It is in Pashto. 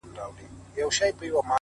پوه انسان د ناپوهۍ منلو جرئت لري